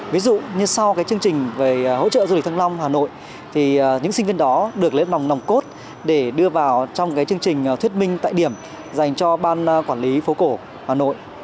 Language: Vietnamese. ví dụ như sau chương trình về hỗ trợ du lịch thăng long hà nội thì những sinh viên đó được lấy lòng nồng cốt để đưa vào trong chương trình thuyết minh tại điểm dành cho ban quản lý phố cổ hà nội